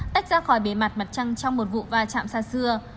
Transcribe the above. tách ra khỏi bề mặt mặt trăng trong một vụ va chạm xa xưa